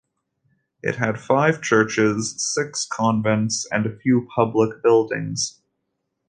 It had five churches, six convents, and a few public buildings.